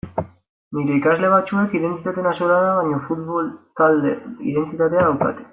Nire ikasle batzuek identitate nazionala baino futbol-talde identitatea daukate.